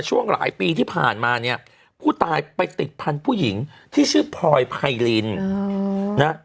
ช่วงหลายปีที่ผ่านมาเนี่ยผู้ตายไปติดพันธุ์ผู้หญิงที่ชื่อพลอยไพรินนะ